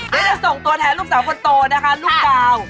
นี่จะส่งตัวแทนลูกสาวคนโตนะคะลูกกาว